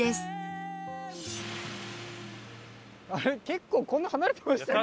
結構こんな離れてました？